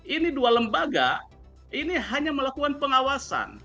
ini dua lembaga ini hanya melakukan pengawasan